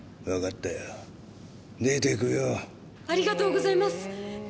ありがとうございます。